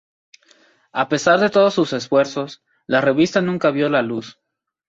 A pesar de todos sus esfuerzos, la revista nunca vio la luz.